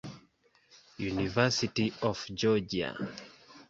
University of Georgia.